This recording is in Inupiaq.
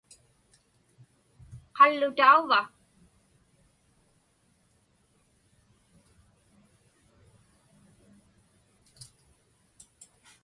Qallutauva?